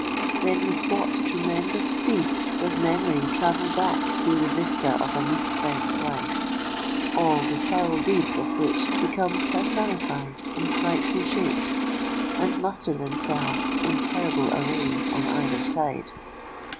Then with what tremendous speed does memory travel back through the vista of a mis pent life, all the foul deeds of which become personified in frightful shapes, and muster themselves in terrible array on either side!